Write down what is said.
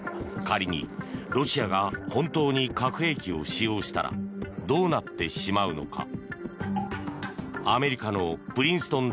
仮にロシアが本当に核兵器を使用したらどうなってしまうのか。